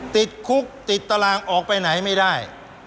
ติดคุกติดตารางออกไปไหนไม่ได้